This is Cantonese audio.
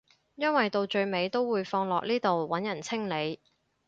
因為到最尾都會放落呢度揾人清理